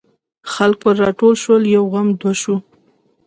خلک پر راټول شول یو غم دوه شو.